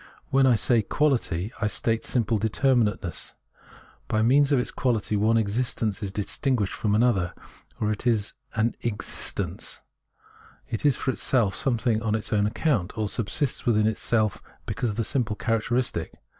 When I say Quality, I state simple determinateness ; by means of its quality one existence is distinguished from another or is an " exist ence "; it is for itself, something on its own account, or subsists with itself because of this simple character istic.